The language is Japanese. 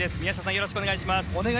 よろしくお願いします。